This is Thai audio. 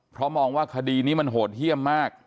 เพราะมองว่าคดีนี้มันโหดเยี่ยมมาก